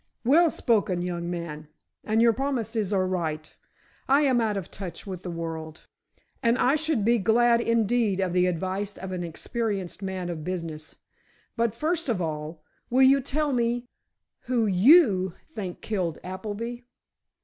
"Well spoken, young man. And your promises are right. I am out of touch with the world, and I should be glad indeed of the advice of an experienced man of business. But, first of all, will you tell me who you think killed Appleby?"